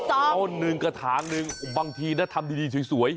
เอาหนึ่งกระถางหนึ่งบางทีนะทำดีสวย